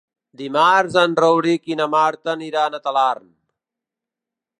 Dimarts en Rauric i na Marta aniran a Talarn.